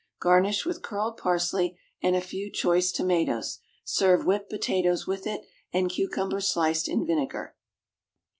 Garnish with curled parsley and a few choice tomatoes. Serve whipped potatoes with it, and cucumbers sliced in vinegar.